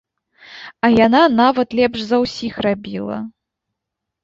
А яна нават лепш за ўсіх рабіла.